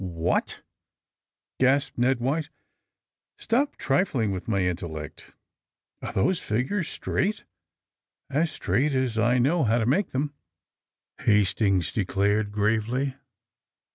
'' What f '' gasped Ned Wliite. '' Stop trifling with my intellect! Are these figures straight?" *'As straight as I know how to make them," Hastings declared gravely.